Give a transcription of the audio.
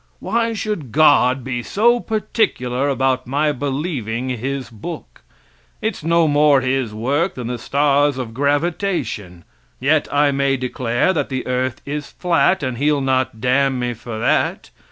Why should God be so particular about my believing his book? It's no more his work than the stars of gravitation. Yet I may declare that the earth is flat, and he'll not damn me for that.